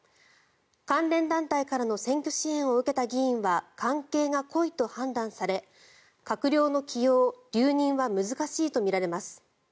関連団体からの選挙支援を受けた議員は関係が濃いと判断され閣僚の起用・留任は難しいとみられます。